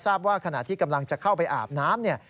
ว่าขณะที่กำลังจะเข้าไปอาบน้ำเนี่ย